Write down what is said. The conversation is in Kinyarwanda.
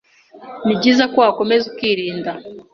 ni byiza ko wakomeza ukirinda.